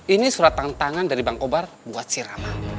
ini surat tangan tangan dari bang kobar buat si rama